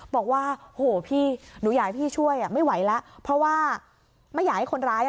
บอกว่าโหพี่หนูอยากให้พี่ช่วยอ่ะไม่ไหวแล้วเพราะว่าไม่อยากให้คนร้ายอ่ะ